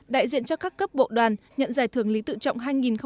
đại diện cho các cấp bộ đoàn nhận giải thưởng lý tự trọng hai nghìn một mươi chín